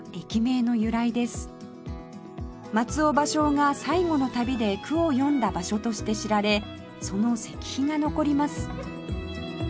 松尾芭蕉が最後の旅で句を詠んだ場所として知られその石碑が残ります